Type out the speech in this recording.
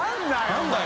何だよ